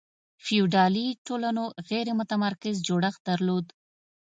فیوډالي ټولنو غیر متمرکز جوړښت درلود.